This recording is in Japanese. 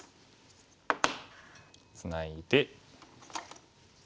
ツナいで。